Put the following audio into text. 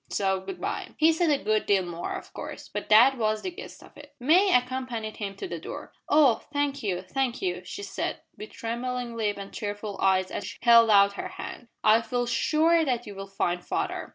So good bye." He said a good deal more, of course, but that was the gist of it. May accompanied him to the door. "Oh! thank you thank you!" she said, with trembling lip and tearful eyes as she held out her hand, "I feel sure that you will find father."